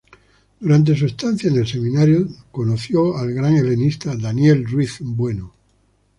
Durante su estancia en el seminario conoció al gran helenista Daniel Ruiz Bueno.